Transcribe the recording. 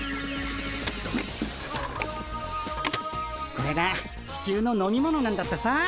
これがチキュウの飲み物なんだってさ。